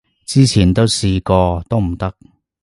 之前都試過都唔得